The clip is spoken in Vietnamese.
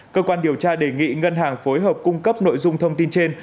cơ quan điều tra đề nghị ngân hàng phối hợp cung cấp nội dung thông tin trên